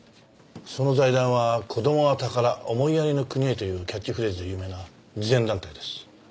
その財団は「子供は宝思いやりの国へ」というキャッチフレーズで有名な慈善団体です。